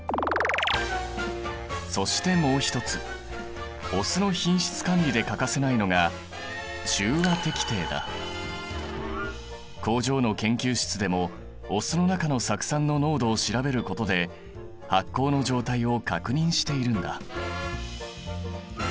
そしてもう一つお酢の品質管理で欠かせないのが工場の研究室でもお酢の中の酢酸の濃度を調べることで発酵の状態を確認しているんだ。